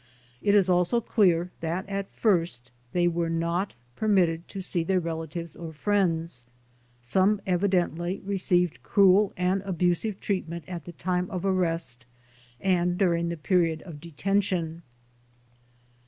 It is also clear that at first they 93 94 THE DEPORTATION CASES were not permitted to see their relatives or friends. Some evidently received cruel and abusive treatment at the time of arrest and during the period of detention.